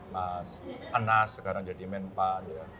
mas anas sekarang jadi men pan ya